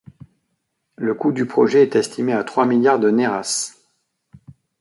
Le coût du projet est estimé à trois milliards de nairas.